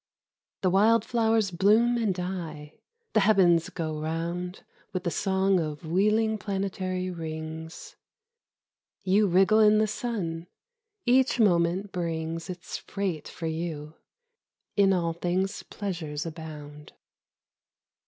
The wild flowers bloom and die ; the heavens go round With the song of wheeling planetary rings : You wriggle in the sun ; each moment brings Its freight for you ; in all things pleasures abound.